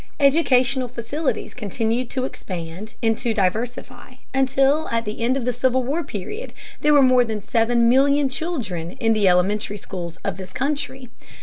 Educational facilities continued to expand and to diversify until at the end of the Civil War period there were more than seven million children in the elementary schools of this country.